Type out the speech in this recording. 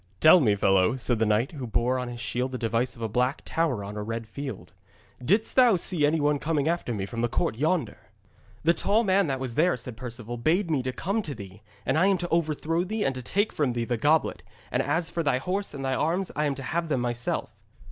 'Tell me, fellow,' said the knight, who bore on his shield the device of a black tower on a red field, 'didst thou see any one coming after me from the court yonder?' 'The tall man that was there,' said Perceval, 'bade me to come to thee, and I am to overthrow thee and to take from thee the goblet, and as for thy horse and thy arms I am to have them myself.'